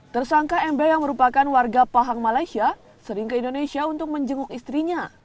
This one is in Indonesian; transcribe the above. tersangka mb yang merupakan warga pahang malaysia sering ke indonesia untuk menjenguk istrinya